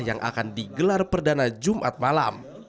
yang akan digelar perdana jumat malam